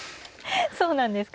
そうなんですか。